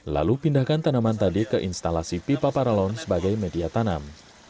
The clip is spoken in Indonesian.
lalu pindahkan tanaman tadi ke instalasi pipa paralon sebagai media tanam